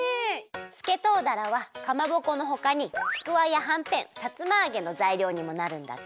すけとうだらはかまぼこのほかにちくわやはんぺんさつまあげのざいりょうにもなるんだって！